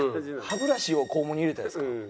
歯ブラシを肛門に入れたらですか？